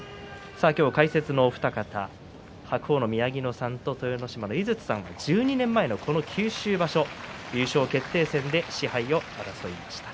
解説のお二方と白鵬の宮城野さんと豊ノ島の井筒さんは１２年前のこの九州場所優勝決定戦で賜盃を争いました。